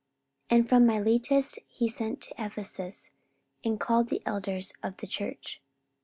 44:020:017 And from Miletus he sent to Ephesus, and called the elders of the church.